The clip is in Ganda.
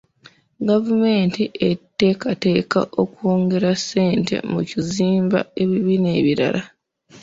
Gavumenti eteekateeka okwongera ssente mu kuzimba ebibiina ebirala.